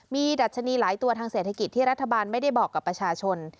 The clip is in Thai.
ดัชนีหลายตัวทางเศรษฐกิจที่รัฐบาลไม่ได้บอกกับประชาชน